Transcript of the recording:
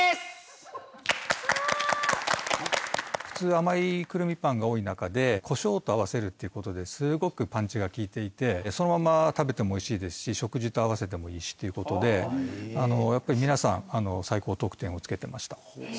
普通甘いくるみパンが多い中でコショウと合わせるっていう事ですごくパンチが効いていてそのまま食べてもおいしいですし食事と合わせてもいいしっていう事でやっぱり皆さん最高得点を付けてました。